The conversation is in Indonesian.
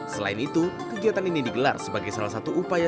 selain itu kegiatan ini digelar sebagai salah satu upaya